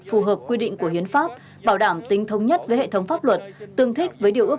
phù hợp quy định của hiến pháp bảo đảm tính thống nhất với hệ thống pháp luật tương thích với điều ước